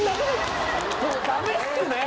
もうダメっすね。